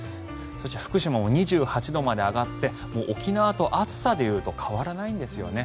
そして福島も２８度まで上がって沖縄と、暑さでいうと変わらないんですよね。